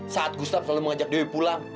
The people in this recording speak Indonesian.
saat gustaf selalu mengajak dewi pulang